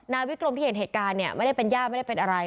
วิกรมที่เห็นเหตุการณ์เนี่ยไม่ได้เป็นย่าไม่ได้เป็นอะไร